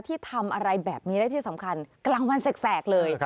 ที่ทำอะไรแบบนี้และที่สำคัญกลางวันแสกเลย